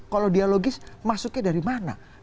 kalau dialogis masuknya dari mana